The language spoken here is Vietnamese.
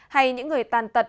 hay những người tàn tật